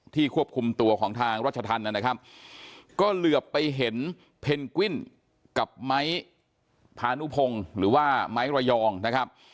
ควบคุมตัวของทางรัชธรรมนะครับก็เหลือไปเห็นเพนกวิ้นกับไม้พานุพงศ์หรือว่าไม้ระยองนะครับ